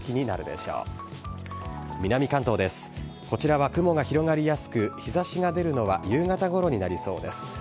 こちらは雲が広がりやすく、日ざしが出るのは夕方ごろになりそうです。